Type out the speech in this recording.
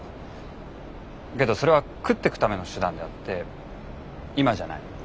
けどそれは食ってくための手段であって今じゃない。